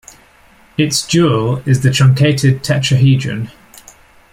Its dual is the truncated tetrahedron.